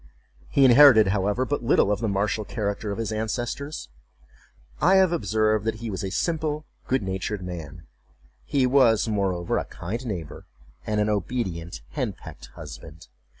He inherited, however, but little of the martial character of his ancestors. I have observed that he was a simple good natured man; he was, moreover, a kind neighbor, and an obedient hen pecked husband.